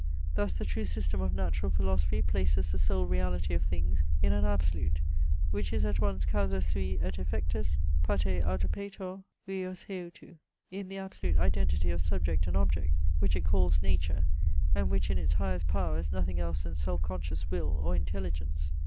Thus the true system of natural philosophy places the sole reality of things in an ABSOLUTE, which is at once causa sui et effectus, pataer autopator, uios heautou in the absolute identity of subject and object, which it calls nature, and which in its highest power is nothing else than self conscious will or intelligence.